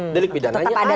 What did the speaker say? delik pidananya ada